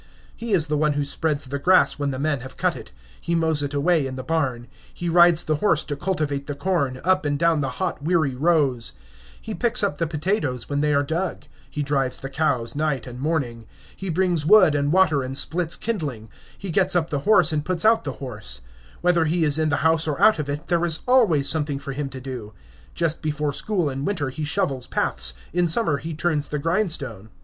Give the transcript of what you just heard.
He is the one who spreads the grass when the men have cut it; he mows it away in the barn; he rides the horse to cultivate the corn, up and down the hot, weary rows; he picks up the potatoes when they are dug; he drives the cows night and morning; he brings wood and water and splits kindling; he gets up the horse and puts out the horse; whether he is in the house or out of it, there is always something for him to do. Just before school in winter he shovels paths; in summer he turns the grindstone.